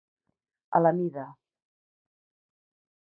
A la mida.